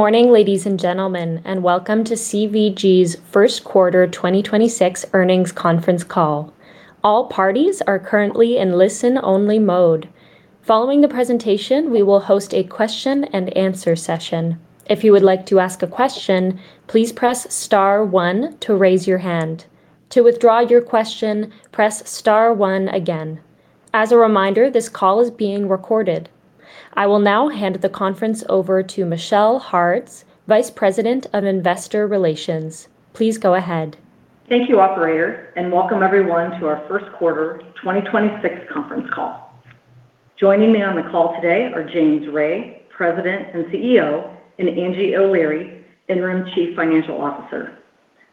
Morning, ladies and gentlemen, and welcome to CVG's first quarter 2026 earnings conference call. All parties are currently in listen-only mode. Following the presentation, we will host a question and answer session. If you would like to ask a question, please press star one to raise your hand. To withdraw your question, press star one again. As a reminder, this call is being recorded. I will now hand the conference over to Michelle Hartz, Vice President of Investor Relations. Please go ahead. Thank you, operator, and welcome everyone to our first quarter 2026 conference call. Joining me on the call today are James Ray, President and CEO, and Angie O'Leary, Interim Chief Financial Officer.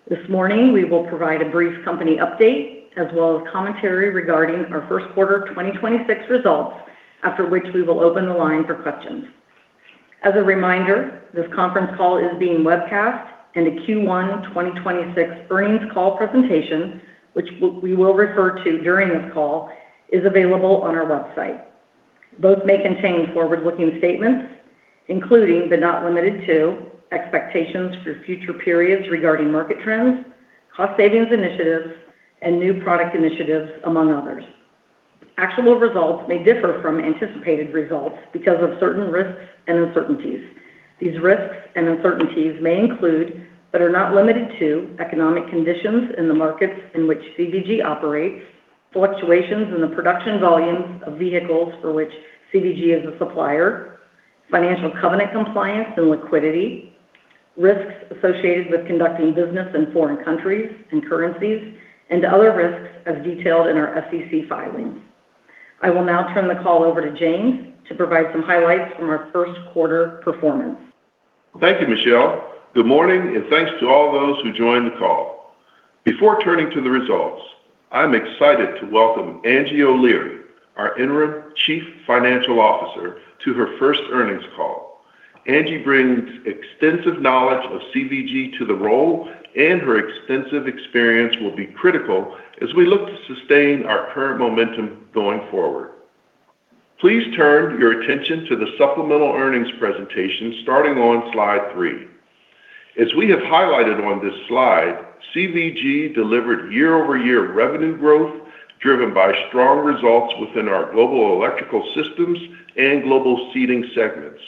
This morning, we will provide a brief company update as well as commentary regarding our first quarter 2026 results, after which we will open the line for questions. As a reminder, this conference call is being webcast and a Q1 2026 earnings call presentation, which we will refer to during this call, is available on our website. Both may contain forward-looking statements including, but not limited to, expectations for future periods regarding market trends, cost savings initiatives, and new product initiatives, among others. Actual results may differ from anticipated results because of certain risks and uncertainties. These risks and uncertainties may include, but are not limited to, economic conditions in the markets in which CVG operates, fluctuations in the production volumes of vehicles for which CVG is a supplier, financial covenant compliance and liquidity, risks associated with conducting business in foreign countries and currencies, and other risks as detailed in our SEC filings. I will now turn the call over to James to provide some highlights from our first quarter performance. Thank you, Michelle. Good morning. Thanks to all those who joined the call. Before turning to the results, I'm excited to welcome Angie O'Leary, our Interim Chief Financial Officer, to her first earnings call. Angie brings extensive knowledge of CVG to the role, and her extensive experience will be critical as we look to sustain our current momentum going forward. Please turn your attention to the supplemental earnings presentation starting on slide three. As we have highlighted on this slide, CVG delivered year-over-year revenue growth driven by strong results within our Global Electrical Systems and Global Seating segments.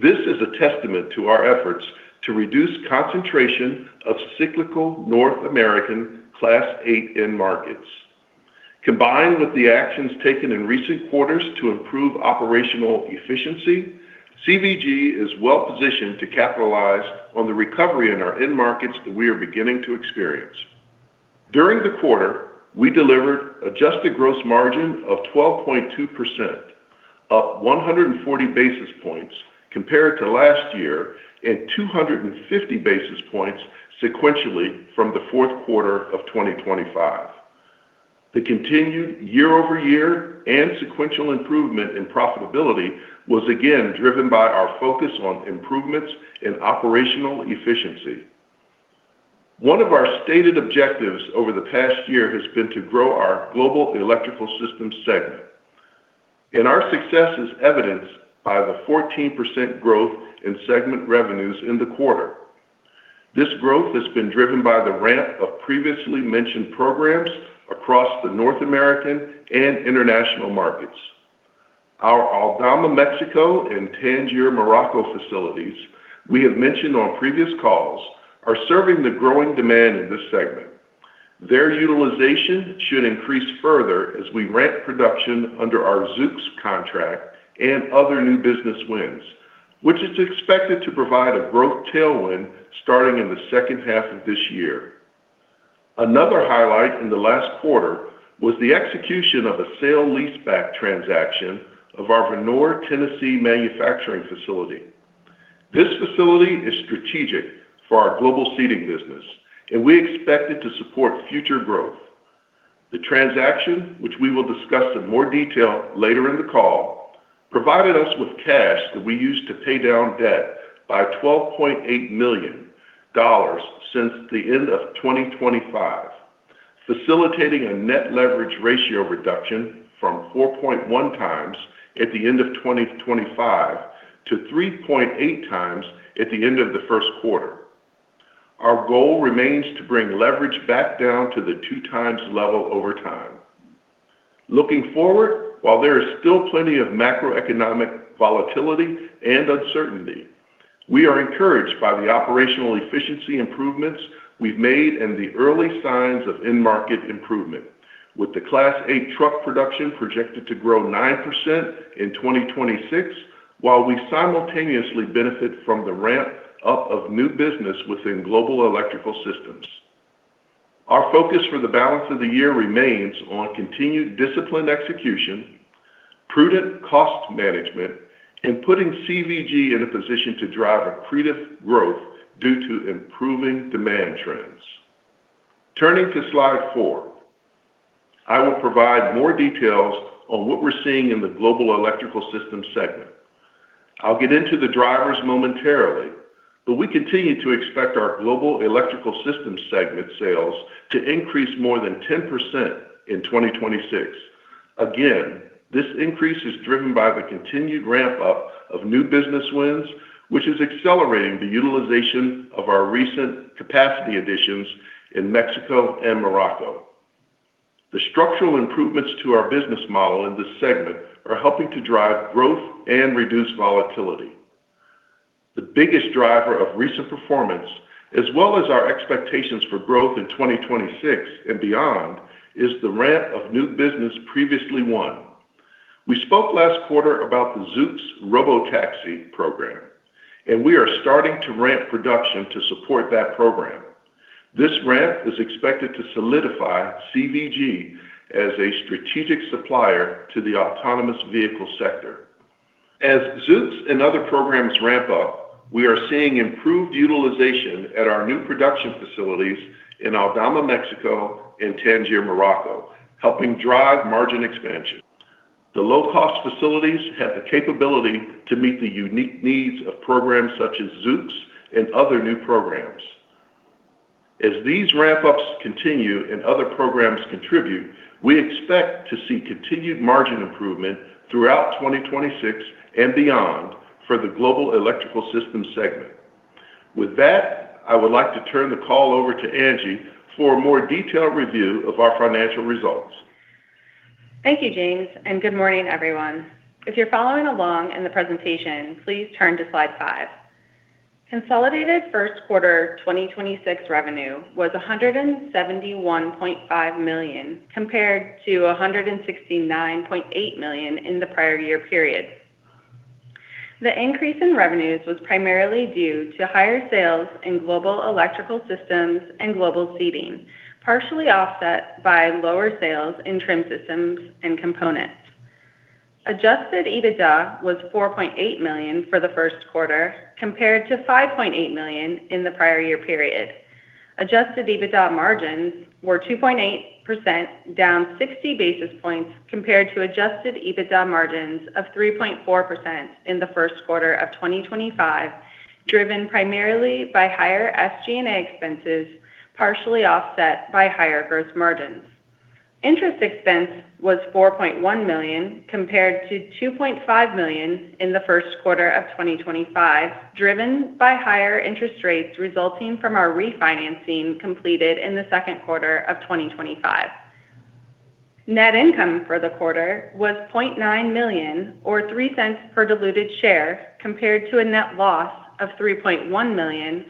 This is a testament to our efforts to reduce concentration of cyclical North American Class 8 end markets. Combined with the actions taken in recent quarters to improve operational efficiency, CVG is well-positioned to capitalize on the recovery in our end markets that we are beginning to experience. During the quarter, we delivered adjusted gross margin of 12.2%, up 140 basis points compared to last year and 250 basis points sequentially from the fourth quarter of 2025. The continued year-over-year and sequential improvement in profitability was again driven by our focus on improvements in operational efficiency. One of our stated objectives over the past year has been to grow our Global Electrical Systems segment, and our success is evidenced by the 14% growth in segment revenues in the quarter. Our Aldama, Mexico, and Tangier, Morocco, facilities we have mentioned on previous calls are serving the growing demand in this segment. Their utilization should increase further as we ramp production under our Zoox contract and other new business wins, which is expected to provide a growth tailwind starting in the second half of this year. Another highlight in the last quarter was the execution of a sale-leaseback transaction of our Vonore, Tennessee, manufacturing facility. This facility is strategic for our Global Seating business, and we expect it to support future growth. The transaction, which we will discuss in more detail later in the call, provided us with cash that we used to pay down debt by $12.8 million since the end of 2025, facilitating a Net Leverage Ratio reduction from 4.1x at the end of 2025 to 3.8x at the end of the first quarter. Our goal remains to bring leverage back down to the 2x level over time. Looking forward, while there is still plenty of macroeconomic volatility and uncertainty, we are encouraged by the operational efficiency improvements we've made and the early signs of end market improvement, with the Class 8 truck production projected to grow 9% in 2026, while we simultaneously benefit from the ramp up of new business within Global Electrical Systems. Our focus for the balance of the year remains on continued disciplined execution, prudent cost management, and putting CVG in a position to drive accretive growth due to improving demand trends. Turning to slide four, I will provide more details on what we're seeing in the Global Electrical Systems segment. I'll get into the drivers momentarily, but we continue to expect our Global Electrical Systems segment sales to increase more than 10% in 2026. Again, this increase is driven by the continued ramp up of new business wins, which is accelerating the utilization of our recent capacity additions in Mexico and Morocco. The structural improvements to our business model in this segment are helping to drive growth and reduce volatility. The biggest driver of recent performance, as well as our expectations for growth in 2026 and beyond, is the ramp of new business previously won. We spoke last quarter about the Zoox Robotaxi program, and we are starting to ramp production to support that program. This ramp is expected to solidify CVG as a strategic supplier to the autonomous vehicle sector. As Zoox and other programs ramp up, we are seeing improved utilization at our new production facilities in Aldama, Mexico and Tangier, Morocco, helping drive margin expansion. The low-cost facilities have the capability to meet the unique needs of programs such as Zoox and other new programs. As these ramp ups continue and other programs contribute, we expect to see continued margin improvement throughout 2026 and beyond for the Global Electrical Systems segment. With that, I would like to turn the call over to Angie for a more detailed review of our financial results. Thank you, James, and good morning, everyone. If you're following along in the presentation, please turn to slide five. Consolidated first quarter 2026 revenue was $171.5 million, compared to $169.8 million in the prior year period. The increase in revenues was primarily due to higher sales in Global Electrical Systems and Global Seating, partially offset by lower sales in Trim Systems and Components. Adjusted EBITDA was $4.8 million for the first quarter, compared to $5.8 million in the prior year period. Adjusted EBITDA margins were 2.8%, down 60 basis points compared to Adjusted EBITDA margins of 3.4% in the first quarter of 2025, driven primarily by higher SG&A expenses, partially offset by higher gross margins. Interest expense was $4.1 million, compared to $2.5 million in the first quarter of 2025, driven by higher interest rates resulting from our refinancing completed in the second quarter of 2025. Net income for the quarter was $0.9 million or $0.03 per diluted share, compared to a net loss of $3.1 million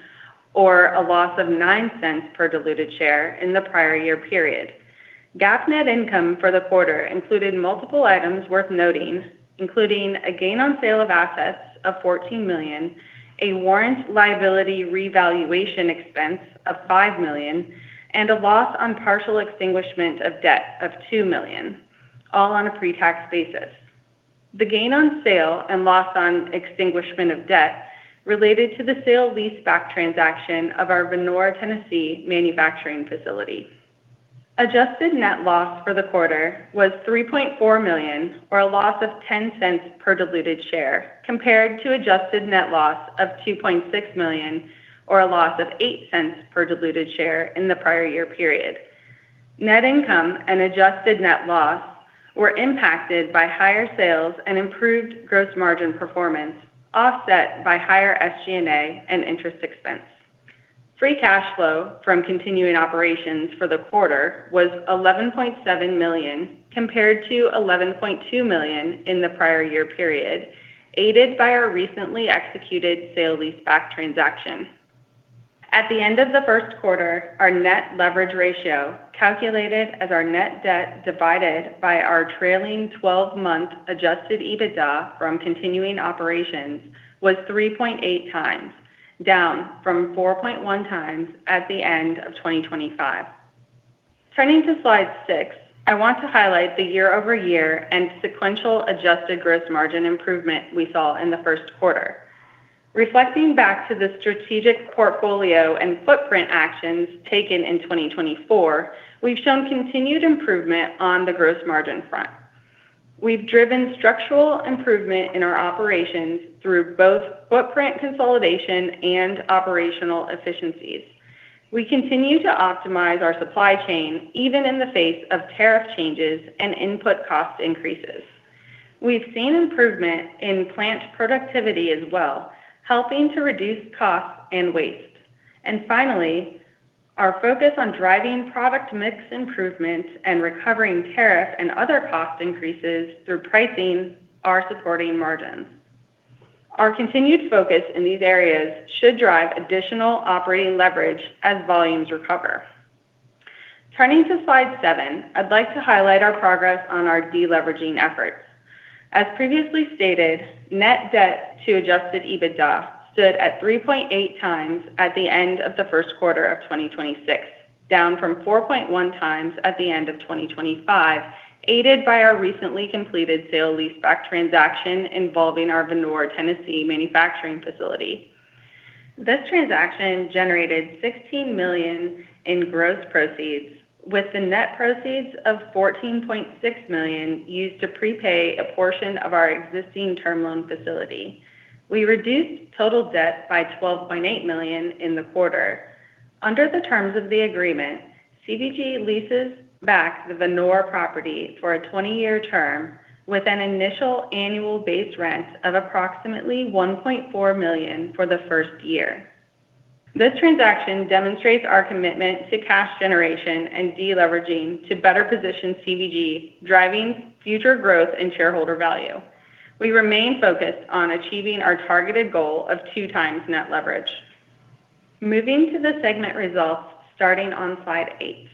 or a loss of $0.09 per diluted share in the prior year period. GAAP net income for the quarter included multiple items worth noting, including a gain on sale of assets of $14 million, a warrant liability revaluation expense of $5 million, and a loss on partial extinguishment of debt of $2 million, all on a pre-tax basis. The gain on sale and loss on extinguishment of debt related to the sale-leaseback transaction of our Vonore, Tennessee manufacturing facility. Adjusted Net Loss for the quarter was $3.4 million or a loss of $0.10 per diluted share, compared to Adjusted Net Loss of $2.6 million or a loss of $0.08 per diluted share in the prior year period. Net income and Adjusted Net Loss were impacted by higher sales and improved gross margin performance, offset by higher SG&A and interest expense. Free Cash Flow from continuing operations for the quarter was $11.7 million, compared to $11.2 million in the prior year period, aided by our recently executed sale-leaseback transaction. At the end of the first quarter, our Net Leverage Ratio, calculated as our net debt divided by our trailing 12-month Adjusted EBITDA from continuing operations, was 3.8x, down from 4.1x at the end of 2025. Turning to slide six, I want to highlight the year-over-year and sequential adjusted gross margin improvement we saw in the first quarter. Reflecting back to the strategic portfolio and footprint actions taken in 2024, we've shown continued improvement on the gross margin front. We've driven structural improvement in our operations through both footprint consolidation and operational efficiencies. We continue to optimize our supply chain even in the face of tariff changes and input cost increases. We've seen improvement in plant productivity as well, helping to reduce costs and waste. Finally, our focus on driving product mix improvements and recovering tariff and other cost increases through pricing are supporting margins. Our continued focus in these areas should drive additional operating leverage as volumes recover. Turning to slide seven, I'd like to highlight our progress on our deleveraging efforts. As previously stated, net debt to Adjusted EBITDA stood at 3.8x at the end of the first quarter of 2026, down from 4.1x at the end of 2025, aided by our recently completed sale-leaseback transaction involving our Vonore, Tennessee manufacturing facility. This transaction generated $16 million in gross proceeds, with the net proceeds of $14.6 million used to prepay a portion of our existing term loan facility. We reduced total debt by $12.8 million in the quarter. Under the terms of the agreement, CVG leases back the Vonore property for a 20-year term with an initial annual base rent of approximately $1.4 million for the first year. This transaction demonstrates our commitment to cash generation and deleveraging to better position CVG, driving future growth and shareholder value. We remain focused on achieving our targeted goal of 2x net leverage. Moving to the segment results starting on slide eight.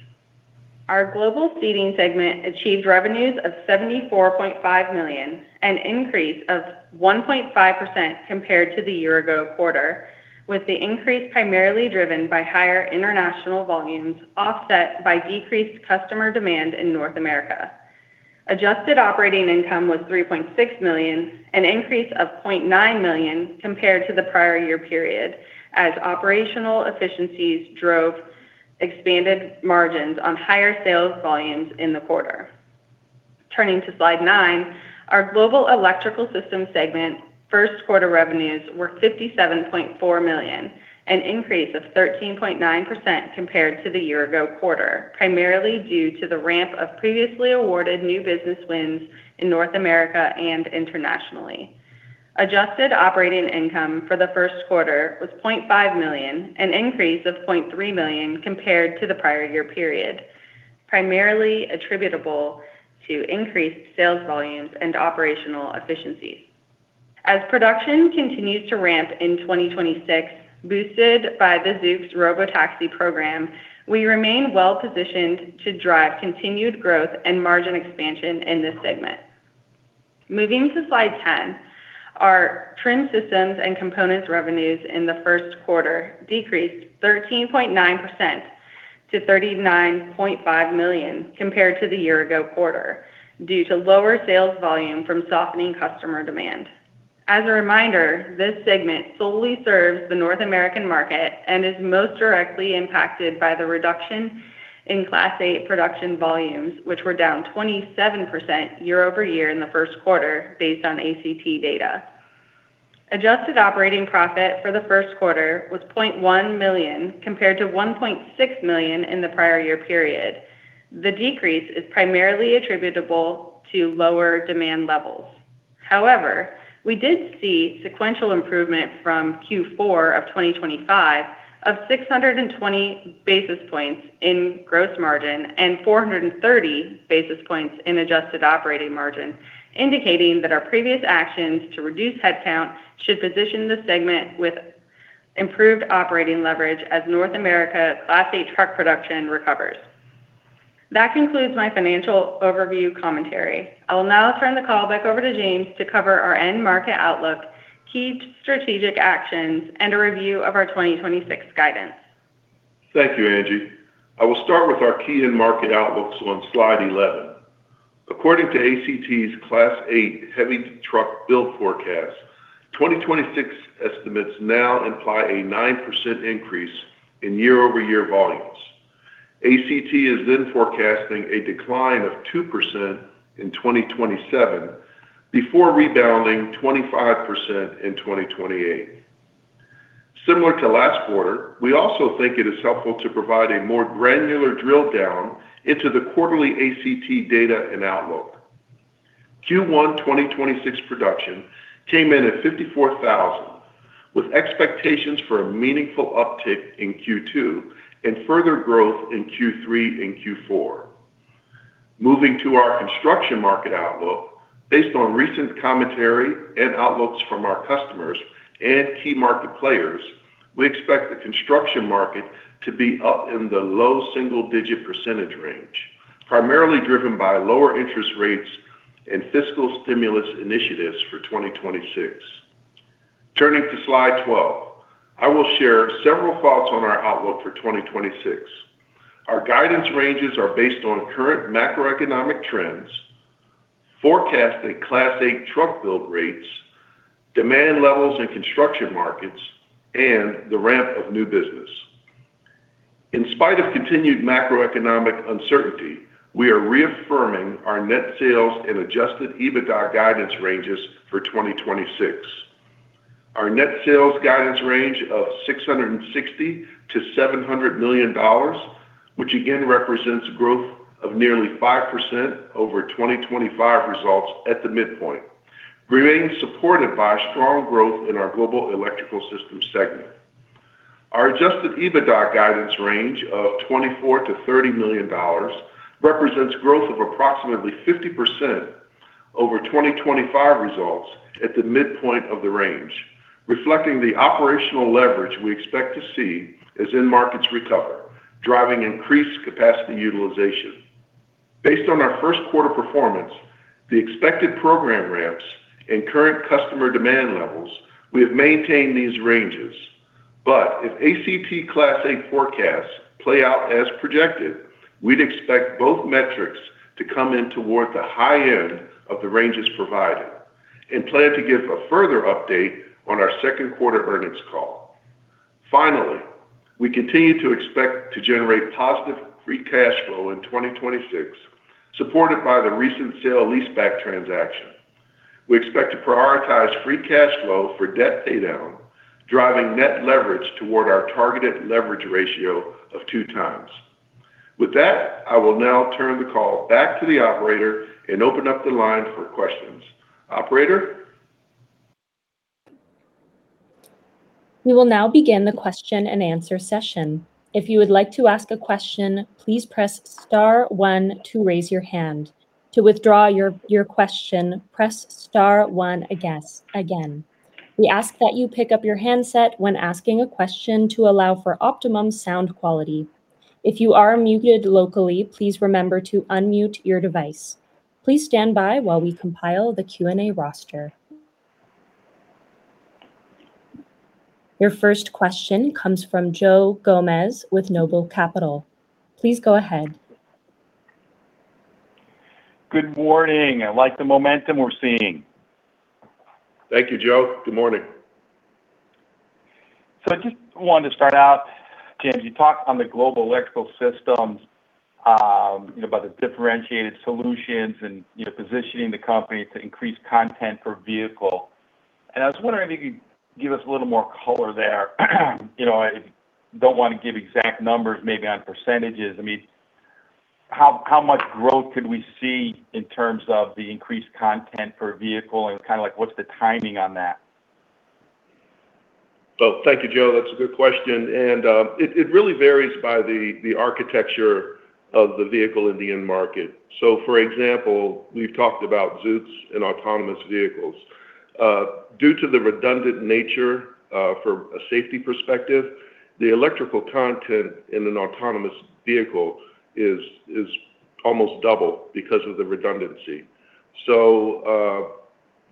Our Global Seating segment achieved revenues of $74.5 million, an increase of 1.5% compared to the year ago quarter, with the increase primarily driven by higher international volumes offset by decreased customer demand in North America. Adjusted operating income was $3.6 million, an increase of $0.9 million compared to the prior year period, as operational efficiencies drove expanded margins on higher sales volumes in the quarter. Turning to slide nine, our Global Electrical Systems segment first quarter revenues were $57.4 million, an increase of 13.9% compared to the year ago quarter, primarily due to the ramp of previously awarded new business wins in North America and internationally. Adjusted operating income for the first quarter was $0.5 million, an increase of $0.3 million compared to the prior year period, primarily attributable to increased sales volumes and operational efficiencies. As production continues to ramp in 2026, boosted by the Zoox Robotaxi program, we remain well-positioned to drive continued growth and margin expansion in this segment. Moving to slide 10, our Trim Systems and Components revenues in the first quarter decreased 13.9% to $39.5 million compared to the year ago quarter due to lower sales volume from softening customer demand. As a reminder, this segment solely serves the North American market and is most directly impacted by the reduction in Class 8 production volumes, which were down 27% year-over-year in the first quarter based on ACT data. Adjusted operating profit for the first quarter was $0.1 million compared to $1.6 million in the prior year period. The decrease is primarily attributable to lower demand levels. However, we did see sequential improvement from Q4 of 2025 of 620 basis points in gross margin and 430 basis points in adjusted operating margin, indicating that our previous actions to reduce headcount should position the segment with improved operating leverage as North America Class 8 truck production recovers. That concludes my financial overview commentary. I will now turn the call back over to James to cover our end market outlook, key strategic actions, and a review of our 2026 guidance. Thank you, Angie. I will start with our key end market outlooks on slide 11. According to ACT's Class 8 heavy truck build forecast, 2026 estimates now imply a 9% increase in year-over-year volumes. ACT is then forecasting a decline of 2% in 2027 before rebounding 25% in 2028. Similar to last quarter, we also think it is helpful to provide a more granular drill down into the quarterly ACT data and outlook. Q1 2026 production came in at 54,000, with expectations for a meaningful uptick in Q2 and further growth in Q3 and Q4. Moving to our construction market outlook. Based on recent commentary and outlooks from our customers and key market players, we expect the construction market to be up in the low single-digit percentage range, primarily driven by lower interest rates and fiscal stimulus initiatives for 2026. Turning to slide 12, I will share several thoughts on our outlook for 2026. Our guidance ranges are based on current macroeconomic trends, forecasted Class 8 truck build rates, demand levels in construction markets, and the ramp of new business. In spite of continued macroeconomic uncertainty, we are reaffirming our net sales and Adjusted EBITDA guidance ranges for 2026. Our net sales guidance range of $660 million-$700 million, which again represents growth of nearly 5% over 2025 results at the midpoint, remains supported by strong growth in our Global Electrical Systems segment. Our Adjusted EBITDA guidance range of $24 million-$30 million represents growth of approximately 50% over 2025 results at the midpoint of the range, reflecting the operational leverage we expect to see as end markets recover, driving increased capacity utilization. Based on our first quarter performance, the expected program ramps and current customer demand levels, we have maintained these ranges. If ACT Class 8 forecasts play out as projected, we'd expect both metrics to come in toward the high end of the ranges provided and plan to give a further update on our second quarter earnings call. Finally, we continue to expect to generate positive Free Cash Flow in 2026, supported by the recent sale-leaseback transaction. We expect to prioritize Free Cash Flow for debt pay down, driving Net Leverage toward our targeted leverage ratio of 2x. With that, I will now turn the call back to the operator and open up the line for questions. Operator? We will now begin the question and answer session. If you would like to ask a question, please press star one to raise your hand. To withdraw your question, press star one again. We ask that you pick up your handset when asking a question to allow for optimum sound quality. If you are muted locally, please remember to unmute your device. Please stand by while we compile the Q&A roster. Your first question comes from Joe Gomes with Noble Capital Markets. Please go ahead. Good morning. I like the momentum we're seeing. Thank you, Joe. Good morning. I just wanted to start out, James, you talked on the Global Electrical Systems, you know, about the differentiated solutions and, you know, positioning the company to increase content for vehicle, and I was wondering if you could give us a little more color there. You know, I don't wanna give exact numbers maybe on percentages. I mean, how much growth could we see in terms of the increased content per vehicle and kinda like what's the timing on that? Thank you, Joe Gomes. That's a good question, and it really varies by the architecture of the vehicle Indian market. For example, we've talked about Zoox and autonomous vehicles. Due to the redundant nature, for a safety perspective, the electrical content in an autonomous vehicle is almost double because of the redundancy.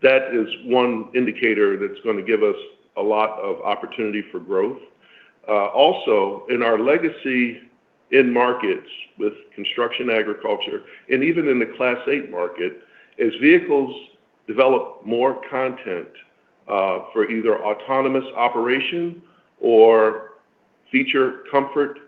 That is one indicator that's gonna give us a lot of opportunity for growth. Also in our legacy end markets with construction agriculture and even in the Class 8 market, as vehicles develop more content, for either autonomous operation or feature comfort,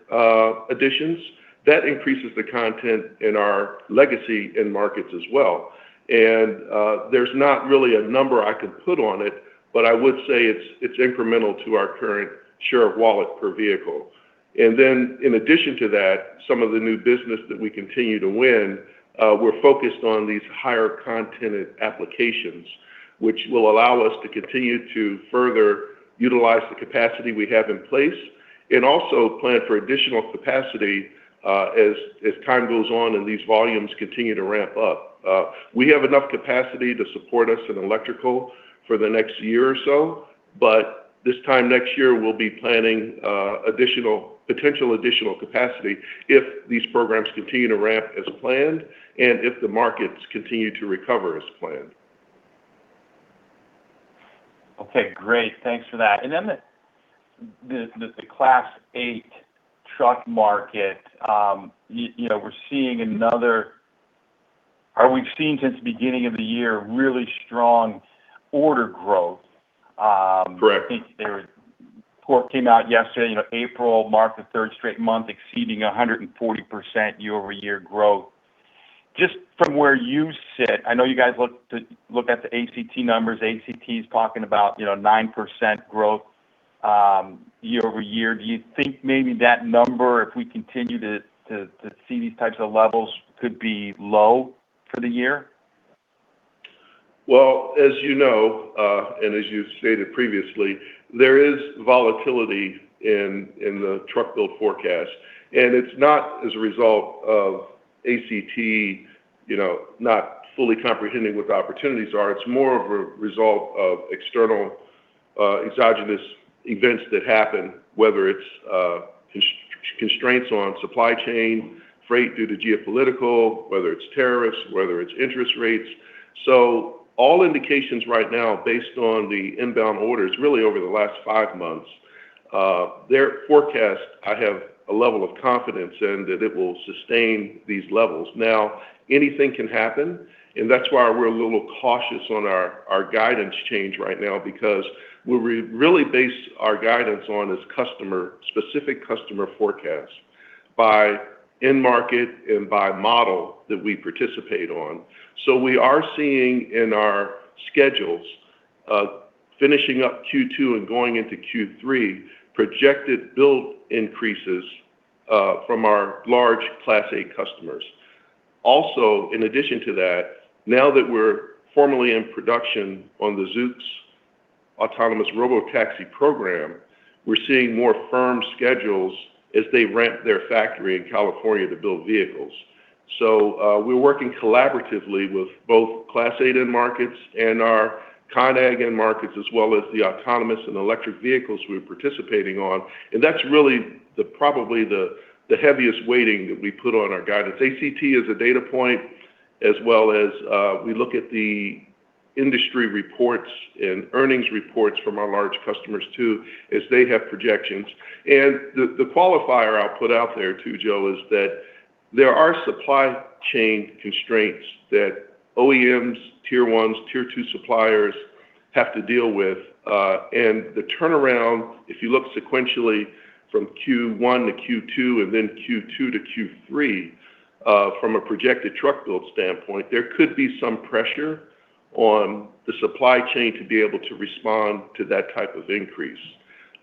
additions, that increases the content in our legacy end markets as well. There's not really a number I could put on it, but I would say it's incremental to our current share of wallet per vehicle. In addition to that, some of the new business that we continue to win, we're focused on these higher content applications, which will allow us to continue to further utilize the capacity we have in place and also plan for additional capacity, as time goes on and these volumes continue to ramp up. We have enough capacity to support us in Electrical for the next year or so, but this time next year we'll be planning potential additional capacity if these programs continue to ramp as planned and if the markets continue to recover as planned. Okay, great. Thanks for that. The Class 8 truck market, you know, we're seeing another or we've seen since the beginning of the year really strong order growth. Correct. I think their report came out yesterday, you know, April marked the third straight month exceeding 140% year-over-year growth. Just from where you sit, I know you guys look at the ACT numbers. ACT is talking about, you know, 9% growth year-over-year. Do you think maybe that number, if we continue to see these types of levels, could be low for the year? As you know, and as you stated previously, there is volatility in the truck build forecast, and it's not as a result of ACT, you know, not fully comprehending what the opportunities are. It's more of a result of external, exogenous events that happen, whether it's constraints on supply chain, freight due to geopolitical, whether it's tariffs, whether it's interest rates. All indications right now based on the inbound orders really over the last five months, their forecast I have a level of confidence in that it will sustain these levels. Now anything can happen, and that's why we're a little cautious on our guidance change right now because we really base our guidance on is customer, specific customer forecast by end market and by model that we participate on. We are seeing in our schedules, finishing up Q2 and going into Q3, projected build increases from our large Class 8 customers. Also, in addition to that, now that we're formally in production on the Zoox autonomous Robotaxi program, we're seeing more firm schedules as they ramp their factory in California to build vehicles. We're working collaboratively with both Class 8 end markets and our ConAg end markets, as well as the autonomous and electric vehicles we're participating on. That's really the, probably the heaviest weighting that we put on our guidance. ACT is a data point, as well as, we look at the industry reports and earnings reports from our large customers too, as they have projections. The qualifier I'll put out there too, Joe, is that there are supply chain constraints that OEMs, Tier 1, Tier 2 suppliers have to deal with, and the turnaround, if you look sequentially from Q1 to Q2 and then Q2 to Q3, from a projected truck build standpoint, there could be some pressure on the supply chain to be able to respond to that type of increase.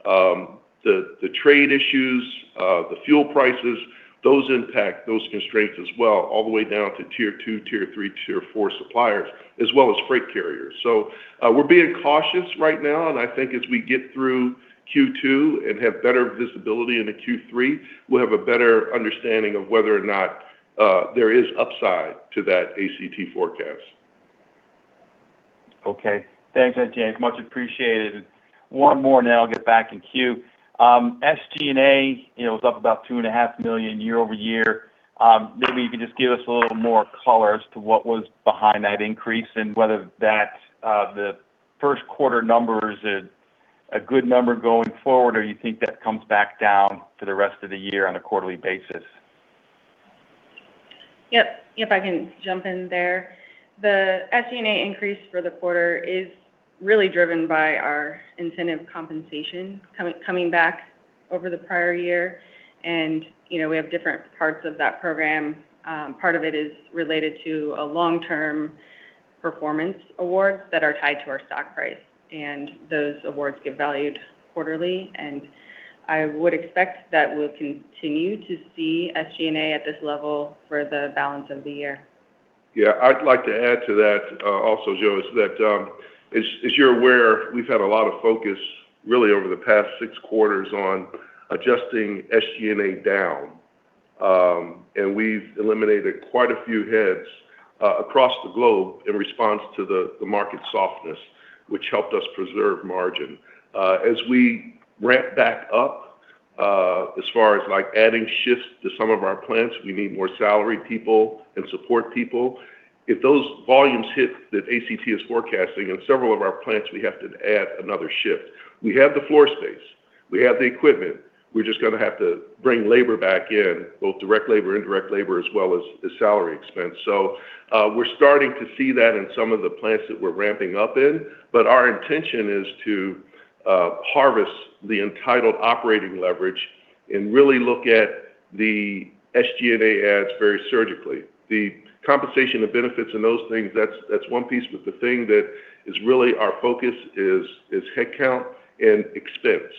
The trade issues, the fuel prices, those impact those constraints as well, all the way down to Tier 2, Tier 3, Tier 4 suppliers, as well as freight carriers. We're being cautious right now, and I think as we get through Q2 and have better visibility into Q3, we'll have a better understanding of whether or not there is upside to that ACT forecast. Okay. Thanks, and James, it's much appreciated. One more and then I'll get back in queue. SG&A, you know, was up about $2.5 million year-over-year. Maybe you can just give us a little more color as to what was behind that increase and whether that, the first quarter number is a good number going forward, or you think that comes back down for the rest of the year on a quarterly basis? Yep. Yep, I can jump in there. The SG&A increase for the quarter is really driven by our incentive compensation coming back over the prior year. You know, we have different parts of that program. Part of it is related to a long-term performance awards that are tied to our stock price, and those awards get valued quarterly. I would expect that we'll continue to see SG&A at this level for the balance of the year. Yeah. I'd like to add to that also, Joe Gomes, is that as you're aware, we've had a lot of focus really over the past six quarters on adjusting SG&A down. We've eliminated quite a few heads across the globe in response to the market softness, which helped us preserve margin. As we ramp back up, as far as, like, adding shifts to some of our plants, we need more salary people and support people. If those volumes hit that ACT is forecasting, in several of our plants we have to add another shift. We have the floor space. We have the equipment. We're just gonna have to bring labor back in, both direct labor, indirect labor, as well as the salary expense. We're starting to see that in some of the plants that we're ramping up in, but our intention is to harvest the entitled operating leverage and really look at the SG&A adds very surgically. The compensation of benefits and those things, that's 1 piece, but the thing that is really our focus is head count and expense.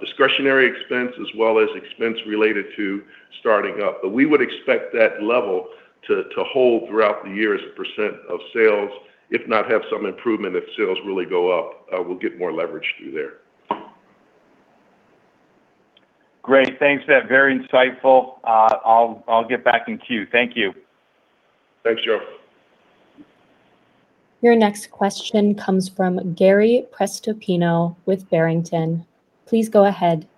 Discretionary expense, as well as expense related to starting up. We would expect that level to hold throughout the year as a % of sales. If not, have some improvement if sales really go up, we'll get more leverage through there. Great. Thanks. That was very insightful. I'll get back in queue. Thank you. Thanks, Joe. Your next question comes from Gary Prestopino with Barrington. Please go ahead.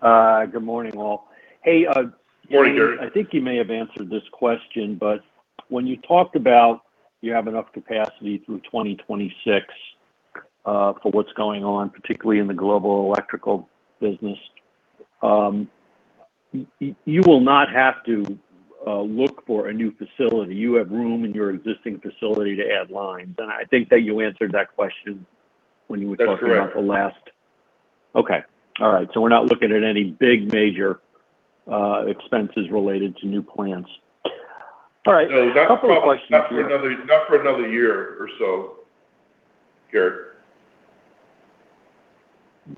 Good morning, all. Hey. Morning, Gary. Gary, I think you may have answered this question. When you talked about you have enough capacity through 2026, for what's going on, particularly in the Global Electrical Business, you will not have to look for a new facility. You have room in your existing facility to add lines. That's correct. Talking about the last Okay. All right. We're not looking at any big major expenses related to new plants. All right. No, not for another year. A couple of questions here. Not for another year or so, Gary.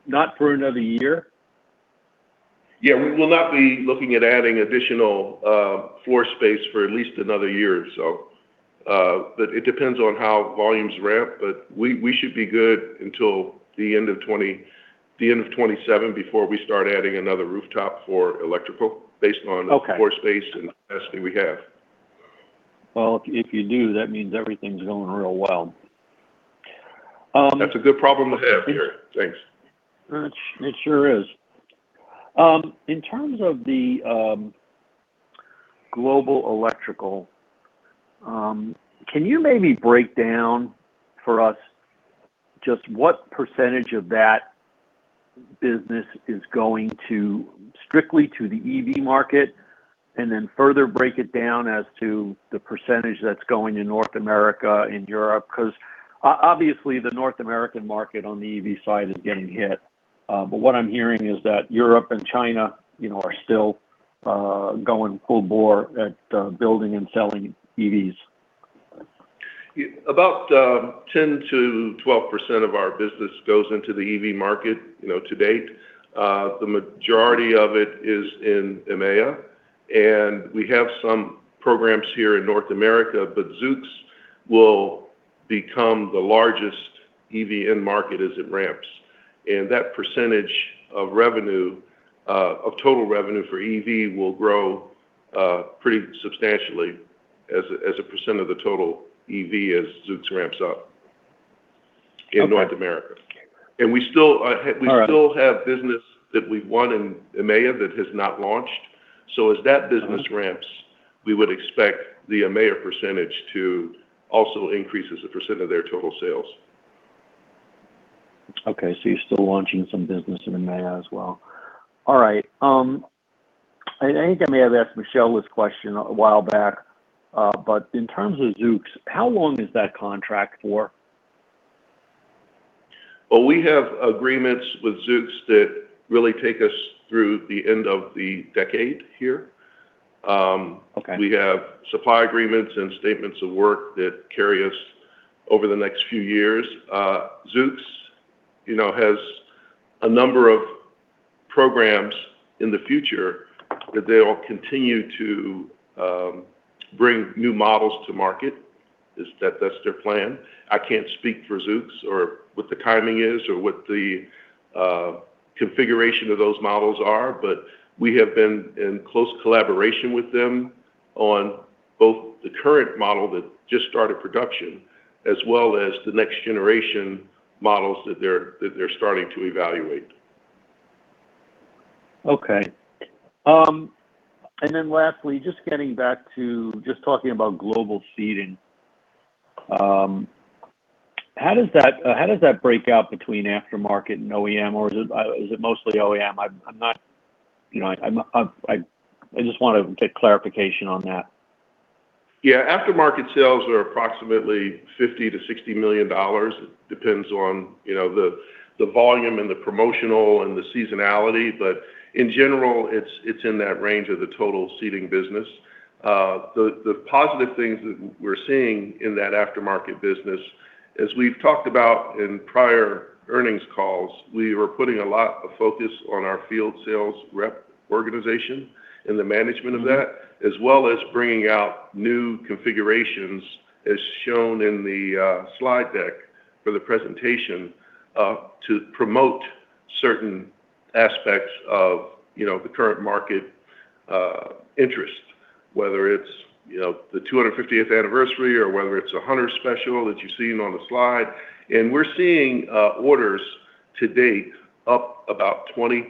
Not for another year? Yeah, we will not be looking at adding additional floor space for at least another year or so. It depends on how volumes ramp. We should be good until the end of 2027 before we start adding another rooftop for electrical based on. Okay. The floor space and the capacity we have. Well, if you do, that means everything's going real well. That's a good problem to have, Gary. Thanks. It sure is. In terms of the Global Electrical, can you maybe break down for us just what percentage of that business is going to, strictly to the EV market, and then further break it down as to the percentage that's going to North America and Europe? Obviously, the North American market on the EV side is getting hit, but what I'm hearing is that Europe and China, you know, are still going full bore at building and selling EVs. About 10%-12% of our business goes into the EV market, you know, to date. The majority of it is in EMEA, and we have some programs here in North America, but Zoox will become the largest EV end market as it ramps. That percentage of revenue, of total revenue for EV will grow pretty substantially as a % of the total EV as Zoox ramps up. Okay. In North America. All right. We still have business that we've won in EMEA that has not launched. As that business ramps, we would expect the EMEA % to also increase as a % of their total sales. Okay, you're still launching some business in EMEA as well. All right. I think I may have asked Michelle this question a while back, but in terms of Zoox, how long is that contract for? Well, we have agreements with Zoox that really take us through the end of the decade here. Okay. We have supply agreements and statements of work that carry us over the next few years. Zoox, you know, has a number of programs in the future that they'll continue to bring new models to market. That's their plan. I can't speak for Zoox or what the timing is or what the configuration of those models are, but we have been in close collaboration with them on both the current model that just started production as well as the next generation models that they're starting to evaluate. Okay. Lastly, just getting back to just talking about Global Seating, how does that, how does that break out between aftermarket and OEM, or is it, is it mostly OEM? I'm not, you know, I just wanted to get clarification on that. Yeah. Aftermarket sales are approximately $50 million-$60 million. It depends on, you know, the volume and the promotional and the seasonality, but in general, it's in that range of the total seating business. The positive things that we're seeing in that aftermarket business, as we've talked about in prior earnings calls, we were putting a lot of focus on our field sales rep organization and the management of that, as well as bringing out new configurations as shown in the slide deck for the presentation, to promote certain aspects of, you know, the current market interest, whether it's, you know, the 250th anniversary or whether it's 100 special that you've seen on the slide. We're seeing orders to date up about 20%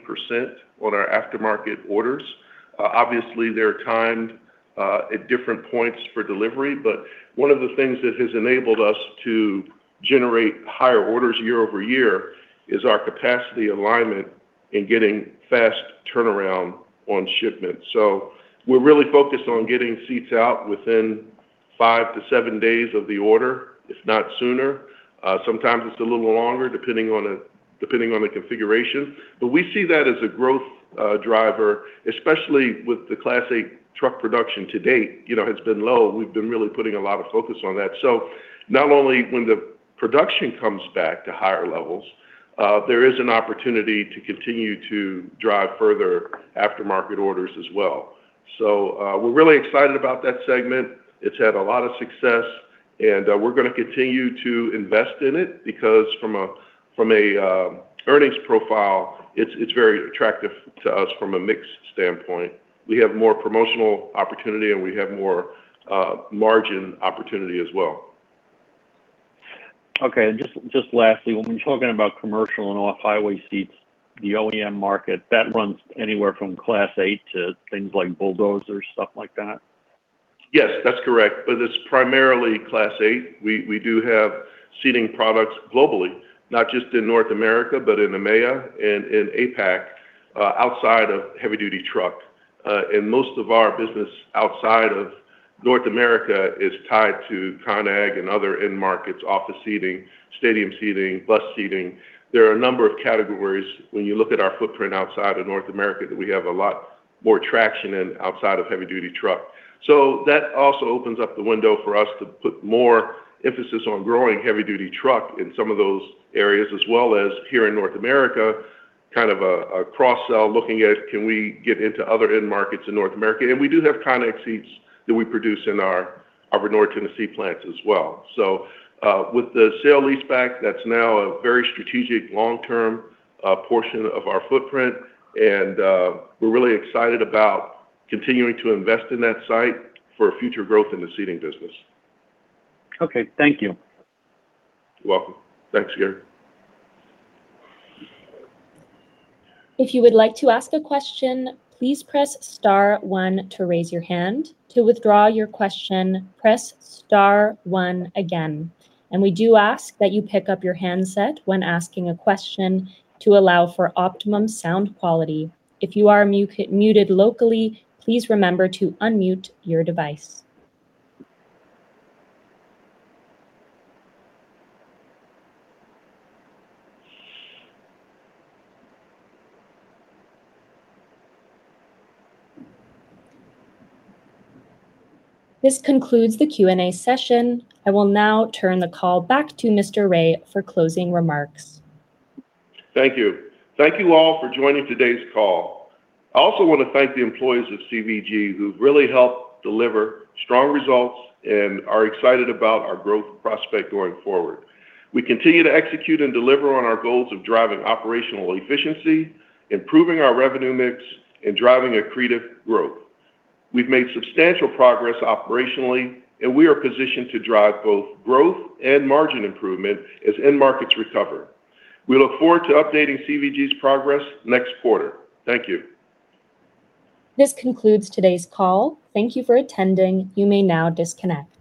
on our aftermarket orders. Obviously, they're timed at different points for delivery, but one of the things that has enabled us to generate higher orders year-over-year is our capacity alignment in getting fast turnaround on shipments. We're really focused on getting seats out within five-seven days of the order, if not sooner. Sometimes it's a little longer, depending on the configuration. We see that as a growth driver, especially with the Class 8 truck production to date, you know, has been low. We've been really putting a lot of focus on that. Not only when the production comes back to higher levels, there is an opportunity to continue to drive further aftermarket orders as well. We're really excited about that segment. It's had a lot of success, and we're gonna continue to invest in it because from a, from a earnings profile, it's very attractive to us from a mix standpoint. We have more promotional opportunity, and we have more margin opportunity as well. Okay. Just lastly, when we're talking about commercial and off-highway seats, the OEM market, that runs anywhere from Class 8 to things like bulldozers, stuff like that? Yes, that's correct, but it's primarily Class 8. We do have seating products globally, not just in North America, but in EMEA and in APAC, outside of heavy-duty truck. Most of our business outside of North America is tied to ConAg and other end markets, office seating, stadium seating, bus seating. There are a number of categories when you look at our footprint outside of North America that we have a lot more traction in outside of heavy-duty truck. That also opens up the window for us to put more emphasis on growing heavy-duty truck in some of those areas as well as here in North America, kind of a cross-sell looking at can we get into other end markets in North America. We do have ConAg seats that we produce in our Vonore, Tennessee plants as well. With the sale-leaseback, that's now a very strategic long-term portion of our footprint, and we're really excited about continuing to invest in that site for future growth in the seating business. Okay. Thank you. You're welcome. Thanks, Gary. This concludes the Q&A session. I will now turn the call back to Mr. Ray for closing remarks. Thank you. Thank you all for joining today's call. I also want to thank the employees of CVG who've really helped deliver strong results and are excited about our growth prospect going forward. We continue to execute and deliver on our goals of driving operational efficiency, improving our revenue mix, and driving accretive growth. We've made substantial progress operationally, and we are positioned to drive both growth and margin improvement as end markets recover. We look forward to updating CVG's progress next quarter. Thank you. This concludes today's call. Thank you for attending. You may now disconnect.